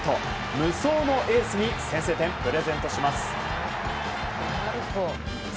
無双のエースに先制点をプレゼントします。